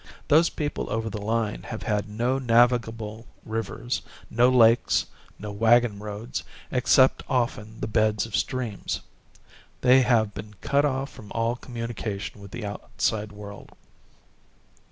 Those people over the line have had no navigable rivers, no lakes, no wagon roads, except often the beds of streams. They have been cut off from all communication with the outside world.